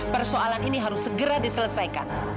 persoalan ini harus segera diselesaikan